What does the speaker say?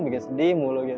bikin sedih mulu